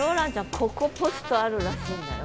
ここポストあるらしいんだよ。